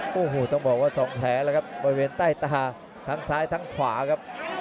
ฮู้หรูต้องบอกว่า๒แถล่ะครับบนเวียนใต้ตาทั้งซ้ายทั้งขวาครับ